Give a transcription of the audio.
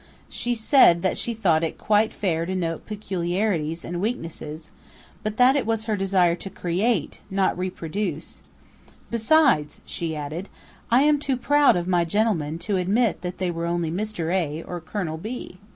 She said that she thought it quite fair to note peculiarities and weaknesses, but that it was her desire to create, not to reproduce; 'besides,' she added, 'I am too proud of my gentlemen to admit that they were only Mr. A. or Colonel B.'